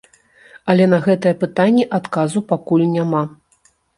Але на гэтае пытанне адказу пакуль няма.